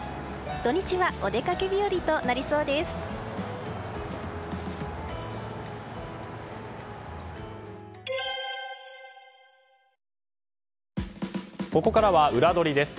土日はお出かけ日和となりそうです。